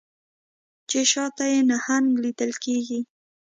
چې شا ته یې نهنګ لیدل کیږي